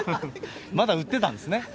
まだ売ってたんですね。